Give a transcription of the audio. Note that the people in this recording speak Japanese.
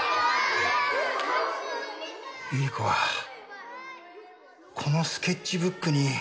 百合子はこのスケッチブックに。